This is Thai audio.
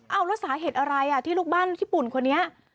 เอาแล้วสาเหตุอะไรที่ลูกบ้านญี่ปุ่นคนนี้